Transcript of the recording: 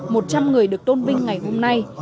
một trăm người được tôn vinh ngày hôm nay